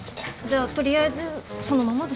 じゃあとりあえずそのままで。